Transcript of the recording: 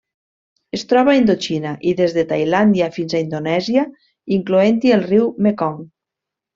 Es troba a Indoxina i des de Tailàndia fins a Indonèsia, incloent-hi el riu Mekong.